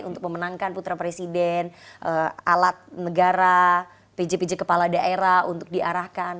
untuk memenangkan putra presiden alat negara pj pj kepala daerah untuk diarahkan